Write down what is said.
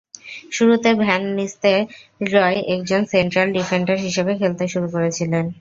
শুরুতে Van Nistelrooy একজন central defender হিসেবে খেলতে শুরু করেছিলেন।